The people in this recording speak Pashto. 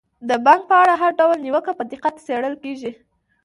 د بانک په اړه هر ډول نیوکه په دقت څیړل کیږي.